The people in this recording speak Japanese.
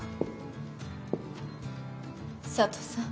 佐都さん。